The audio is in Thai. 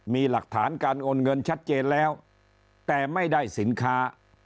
มีหลักฐานการโอนเงินชัดเจนแล้วแต่ไม่ได้สินค้า